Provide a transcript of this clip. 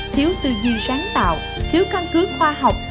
thiếu tư duy sáng tạo thiếu căn cứ khoa học